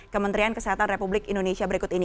kementerian kesehatan republik indonesia berikut ini